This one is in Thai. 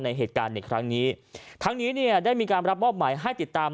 ในเหตุการณ์ในครั้งนี้ทั้งนี้เนี่ยได้มีการรับมอบหมายให้ติดตาม